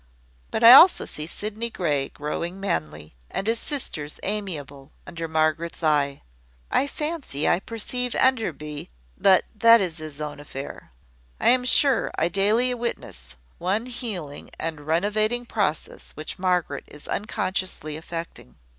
But I also see Sydney Grey growing manly, and his sisters amiable, under Margaret's eye. I fancy I perceive Enderby But that is his own affair. I am sure I daily witness one healing and renovating process which Margaret is unconsciously effecting.